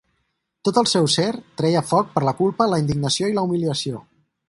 Tot el seu ser treia foc per la culpa, la indignació i la humiliació.